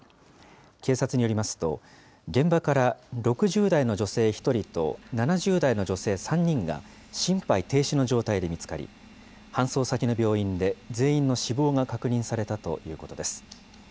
警察によりますと、現場から６０代の女性１人と７０代の女性３人が、心肺停止の状態で見つかり、搬送先の病院で全員の死亡が確認されたということです。